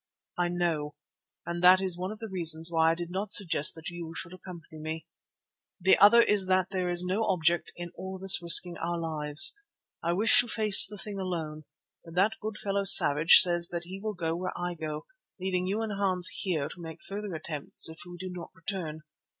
"I know, and that is one of the reasons why I did not suggest that you should accompany me. The other is that there is no object in all of us risking our lives. I wished to face the thing alone, but that good fellow Savage says that he will go where I go, leaving you and Hans here to make further attempts if we do not return.